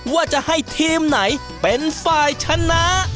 ว่าจะให้ทีมไหนเป็นฝ่ายชนะ